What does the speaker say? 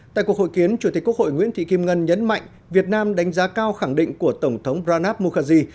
tại cuộc hội kiến chủ tịch quốc hội nguyễn thị kim ngân nhấn mạnh việt nam đánh giá cao khẳng định của tổng thống branad mukhazi